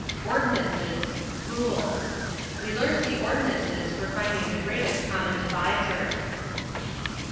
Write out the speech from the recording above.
Ordinances = Rules: We learned the ordinances for finding the greatest common divisor.